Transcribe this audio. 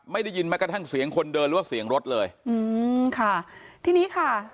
ได้ยินมากระทั่งเสียงคนเดินหรือว่าเสียงรถเลยอืมค่ะทีนี้ค่ะ